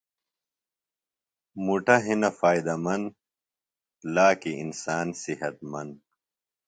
مُٹہ ہِنہ فائدہ مند، لاکیۡ انسان صحت مند